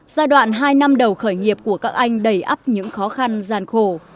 giai đoạn hai năm đầu khởi nghiệp của các anh đầy ấp những khó khăn gian khổ